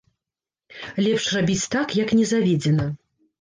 Лепш рабіць так, як не заведзена.